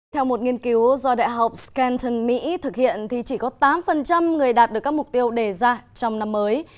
theo một nghiên cứu do đại học scanton mỹ thực hiện thì chỉ có tám người đạt được các mục tiêu đề ra trong năm mới